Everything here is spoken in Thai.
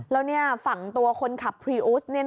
แล้วฝั่งตัวคนขับพรีอุส